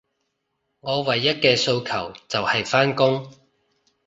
我唯一嘅訴求，就係返工